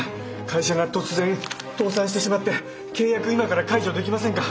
会社が突然倒産してしまって契約今から解除できませんか？